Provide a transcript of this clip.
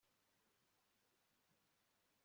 gutegura gahunda zibanda ku bibazo